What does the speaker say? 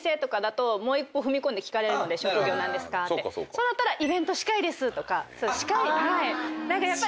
そうなったらイベント司会ですとかそういう司会。